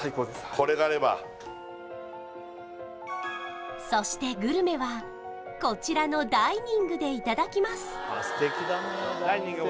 これがあればそしてグルメはこちらのダイニングでいただきます